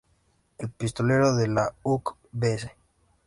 El pistolete de la Uk vz.